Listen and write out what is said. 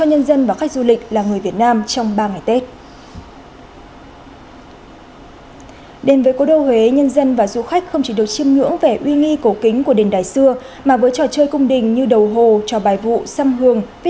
những bông hoa đẹp